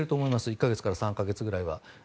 １か月から３か月くらいは。